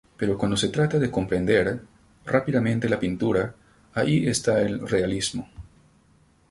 Pero cuando se trata de "comprender" rápidamente la pintura, ahí está el realismo.